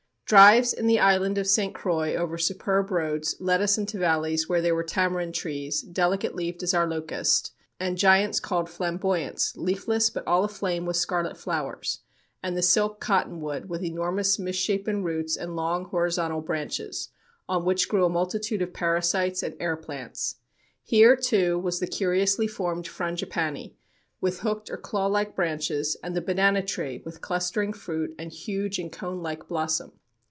Drives in the island of St. Croix over superb roads led us into valleys where there were tamarind trees, delicate leaved as our locust, and giants called flamboyants, leafless but all aflame with scarlet flowers; and the silk cottonwood with enormous misshapen roots and long horizontal branches, on which grew a multitude of parasites and air plants. Here, too, was the curiously formed frangipani, with hooked or claw like branches, and the banana tree, with clustering fruit and huge and cone like blossom.